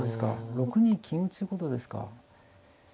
６二金打ちということですか。